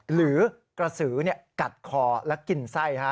หรือกระสือกัดคอและกินไส้